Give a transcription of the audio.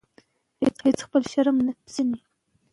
سوله د ټولنې د پرمختګ لومړی شرط دی.